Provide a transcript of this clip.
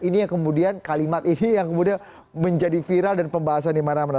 ini yang kemudian kalimat ini yang kemudian menjadi viral dan pembahasan di mana mana